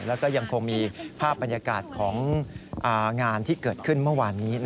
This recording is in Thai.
แล้วก็ยังคงมีภาพบรรยากาศของงานที่เกิดขึ้นเมื่อวานนี้